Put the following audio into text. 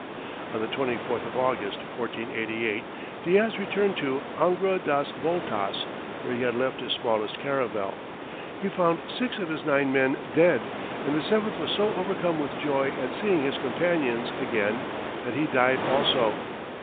On the 24th of August, 1488, Diaz returned to Angra das Voltas, where he had left his smallest caravel. He found six of his nine men dead, and the seventh was so overcome with joy at seeing his companions again that he died also.